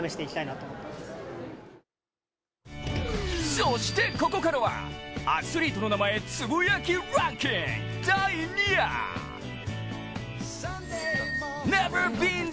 そしてここからはアスリートの名前つぶやきランキング